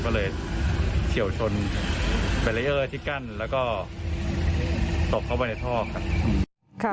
ก็เลยเฉี่ยวชนที่กั้นแล้วก็ตกเข้าไปในท่อครับครับ